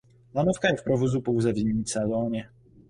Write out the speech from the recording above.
Lanovka je v provozu pouze v zimní sezóně.